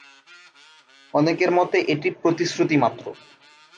অনেকের মতে এটি প্রতিশ্রুতিমাত্র।